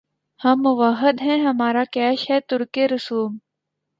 ہم موّحد ہیں‘ ہمارا کیش ہے ترکِ رسوم